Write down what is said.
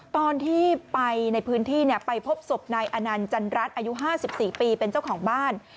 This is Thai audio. ตอนที่ไปในพื้นที่ไปพบศพนายอนันต์จันรัฐอายุ๕๔ปีเป็นเจ้าของบ้าน